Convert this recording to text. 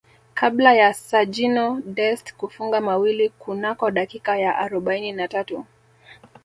kabla ya Sergino Dest kufunga mawili kunako dakika ya arobaini na tatu